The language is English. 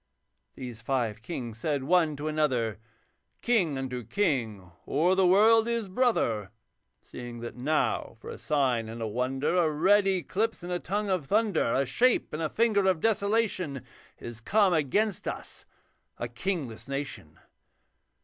These five kings said one to another, 'King unto king o'er the world is brother, Seeing that now, for a sign and a wonder, A red eclipse and a tongue of thunder, A shape and a finger of desolation, Is come against us a kingless nation.